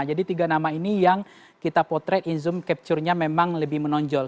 jadi tiga nama ini yang kita potret in zoom capture nya memang lebih menonjol